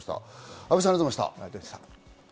阿部さん、ありがとうございました。